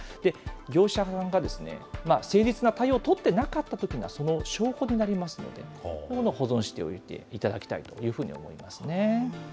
業者さんが誠実な対応を取ってなかったときには、その証拠になりますので、保存しておきたいというふうに思いますね。